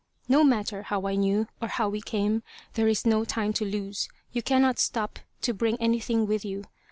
No matter how I knew, or how we came. There is no time to lose. You cannot stop to bring anything with you.